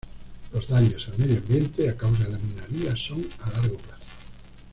Los daños al medio ambiente a causa de la minería son a largo plazo.